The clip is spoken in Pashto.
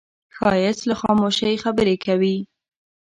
ښایست له خاموشۍ خبرې کوي